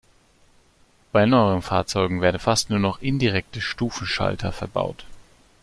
Bei neueren Fahrzeugen werden fast nur noch indirekte Stufenschalter verbaut.